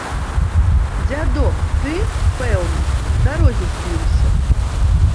Дзядок, ты, пэўна, з дарогі збіўся?